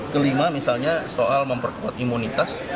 kelima misalnya soal memperkuat imunitas